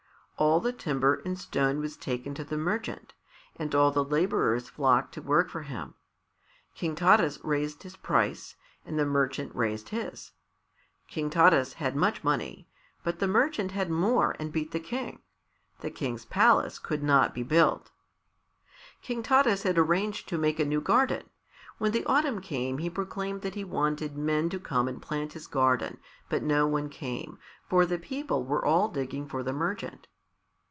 all the timber and stone was taken to the merchant, and all the labourers flocked to work for him. King Taras raised his price, and the merchant raised his. King Taras had much money, but the merchant had more and beat the King. The King's palace could not be built. King Taras had arranged to make a new garden. When the autumn came he proclaimed that he wanted men to come and plant his garden, but no one came, for the people were all digging for the merchant.